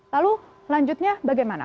lalu lanjutnya bagaimana